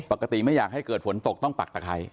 ไม่อยากให้เกิดฝนตกต้องปักตะไคร้